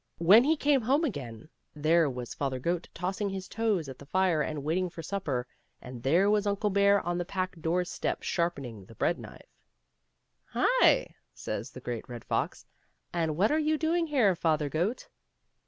When he came home again there was Father Goat toasting his toes at the fire and waiting for supper ; and there was Uncle Bear on the back door step sharpening the bread knife. " Hi ! says the Great Red Fox, " and what are you doing here, Father Goat?